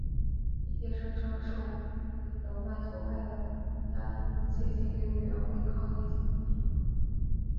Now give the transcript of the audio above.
一些声称受弗雷德曼所害的家庭曾写信给委员会抗议此次提名。